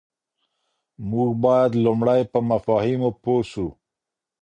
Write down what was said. موږ بايد لومړی په مفاهيمو پوه سو.